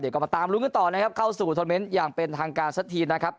เดี๋ยวก็มาตามรุ้งขึ้นต่อนะครับเข้าสู่อย่างเป็นทางการสักทีนะครับ